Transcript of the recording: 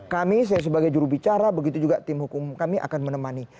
kami saya sebagai jurubicara begitu juga tim hukum kami akan menemani